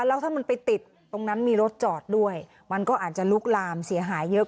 แล้วถ้ามันไปติดตรงนั้นมีรถจอดด้วยมันก็อาจจะลุกลามเสียหายเยอะ